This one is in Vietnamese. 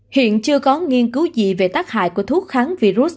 hiện chưa có nghiên cứu gì về tác hại của thuốc kháng virus